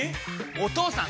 お義父さん！